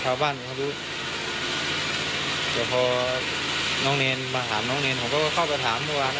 หลอดโตของน้องเนรกขาดแล้วผมก็ข้อไปถามทุกว้าง